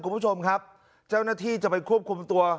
คุณผู้ชมครับเจ้าหน้าที่จะไปควบคุมตัว